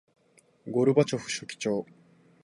ゴルバチョフ書記長